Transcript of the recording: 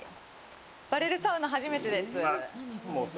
バレルサウナ、初めてです。